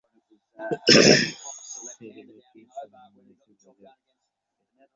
সেগুলো কি সাধারণ মানুষের বোঝার জন্য খুব কঠিন?